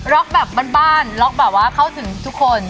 แบบบ้านล็อกแบบว่าเข้าถึงทุกคน